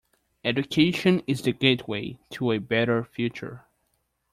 Education is the gateway to a better future.